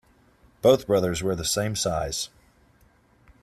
Both brothers wear the same size.